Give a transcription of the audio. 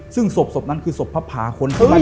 ซึ่งศพนั้นคือศพพระพาค้น